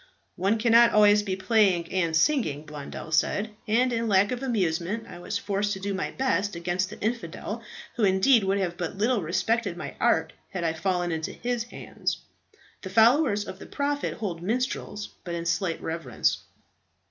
"One cannot always be playing and singing," Blondel said, "and in lack of amusement I was forced to do my best against the infidel, who indeed would have but little respected my art had I fallen into his hands. The followers of the prophet hold minstrels but in slight reverence."